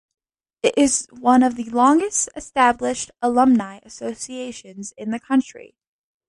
It is one of the longest established alumni associations in the country.